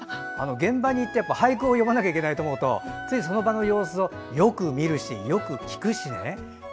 現場に行って俳句を詠まないといけないと思うとついその場の様子をよく見るしよく聞くしでね。